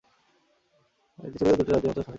এটি ছিল দুটি রাজ্যের মধ্যে প্রথম সশস্ত্র সংঘাত।